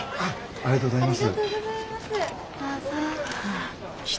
ありがとうございます。